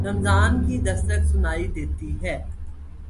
رمضان کی دستک سنائی دیتی ہے۔